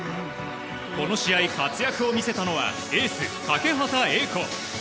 この試合、活躍を見せたのはエース、欠端瑛子。